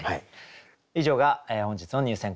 以上が本日の入選句でした。